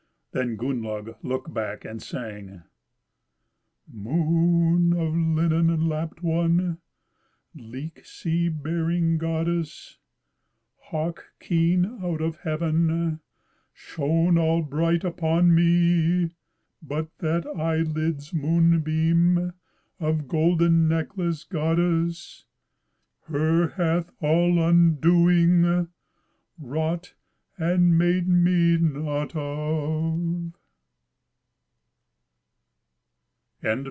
Then Gunnlaug looked back and sang: "Moon of linen lapped one, Leek sea bearing goddess, Hawk keen out of heaven Shone all bright upon me; But that eyelid's moonbeam Of gold necklaced goddess Her hath all undoing Wrought, and me made nought of."